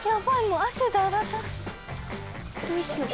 どうしよう？